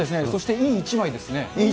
そしていい１枚ですね。